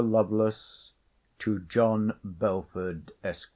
LOVELACE, TO JOHN BELFORD, ESQ.